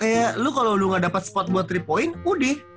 kayak lu kalo lu gak dapet spot buat tiga point udah